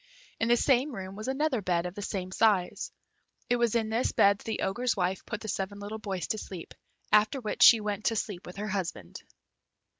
In the same room was another bed of the same size. It was in this bed that the Ogre's wife put the seven little boys to sleep, after which she went to sleep with her husband.